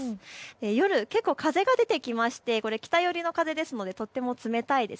夜、結構、風が出てきまして北寄りの風ですのでとっても冷たいです。